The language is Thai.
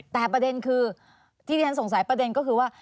แต่ประเด็นคือที่ที่ฉันสงสัยประเด็นก็คือว่า